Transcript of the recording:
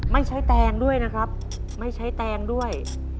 ไม่ใช้แตงด้วยนะครับไม่ใช้แตงด้วย